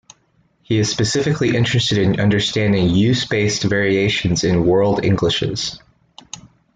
He is specifically interested in understanding 'use' based variations in World Englishes.